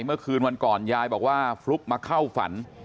เมื่อคืนวันก่อนยายบอกว่าฟลุ๊กมาเข้าฝัน